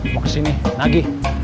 mau kesini lagi